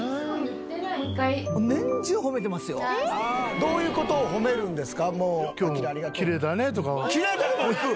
どういう事を褒めるんですか？